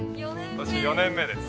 今年４年目です。